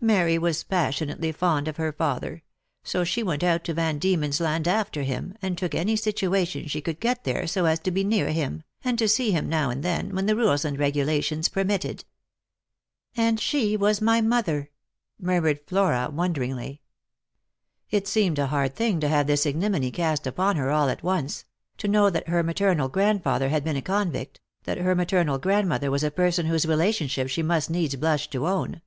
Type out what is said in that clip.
Mary was passionately fond of her father ; so she went out to Van Diemen's Land after him, and took any situa tion she could get there, so as to be near him, and to see him now and then, when the rules and regulations permitted." " And she was my mother !" murmured Flora wonderingly. It seemed a hard thing to have this ignominy cast upon her all at once; to know that her maternal grandfather had been a convict, that her maternal grandmother was a person whose relationship she must needs blush to own.